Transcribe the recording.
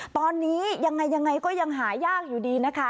ตอนนี้ยังไงยังไงก็ยังหายากอยู่ดีนะคะ